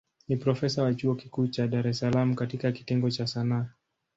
Ni profesa wa chuo kikuu cha Dar es Salaam katika kitengo cha Sanaa.